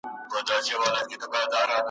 د فاجعې بله برخه